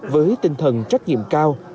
với tinh thần trách nhiệm cao